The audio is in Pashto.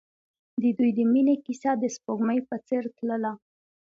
د دوی د مینې کیسه د سپوږمۍ په څېر تلله.